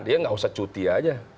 dia tidak usah cuti saja